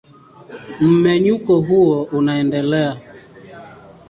Mmenyuko huo unaendelea.